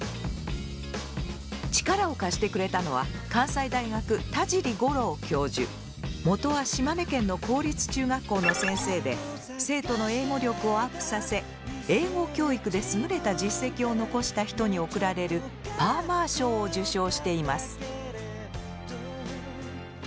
力を貸してくれたのは元は島根県の公立中学校の先生で生徒の英語力をアップさせ英語教育で優れた実績を残した人に贈られるパーマー賞を受賞しています。